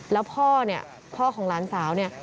แล้วพ่อเนี่ยพ่อของหลานสาวเนี่ย